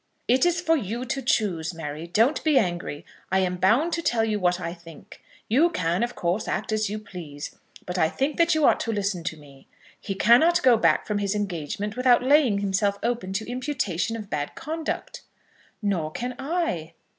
"It is for you to choose, Mary. Don't be angry. I am bound to tell you what I think. You can, of course, act as you please; but I think that you ought to listen to me. He cannot go back from his engagement without laying himself open to imputation of bad conduct." "Nor can I."